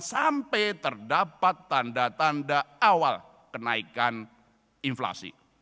sampai terdapat tanda tanda awal kenaikan inflasi